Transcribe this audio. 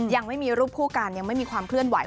ยังไม่มีรูปคู่กันยังไม่มีความเคลื่อนไห